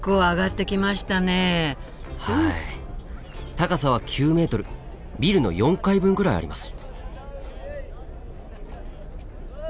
高さは９ｍビルの４階分ぐらいあります。